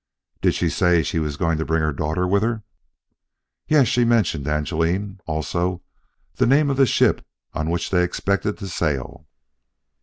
"Did she say she was going to bring her daughter with her?" "Yes, she mentioned Angeline. Also the name of the ship on which they expected to sail."